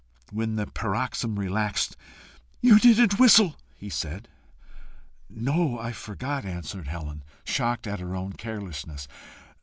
When the paroxysm relaxed "You didn't whistle," he said. "No; I forgot," answered Helen, shocked at her own carelessness.